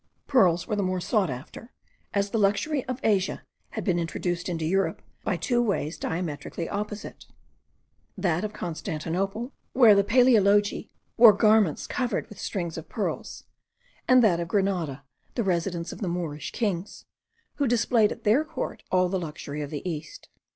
Pearls were the more sought after, as the luxury of Asia had been introduced into Europe by two ways diametrically opposite: that of Constantinople, where the Palaeologi wore garments covered with strings of pearls; and that of Grenada, the residence of the Moorish kings, who displayed at their court all the luxury of the East.